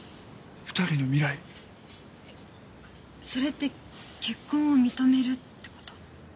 それって結婚を認めるってこと？